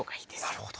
なるほど。